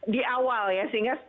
di awal ya sehingga